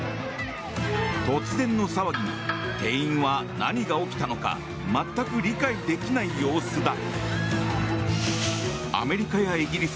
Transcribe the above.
突然の騒ぎに店員は何が起きたのか全く理解できない様子だ。